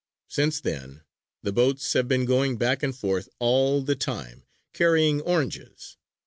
Since then the boats have been going back and forth all the time, carrying oranges.